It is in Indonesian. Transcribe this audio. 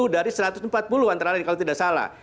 dari satu ratus empat puluh antara lain kalau tidak salah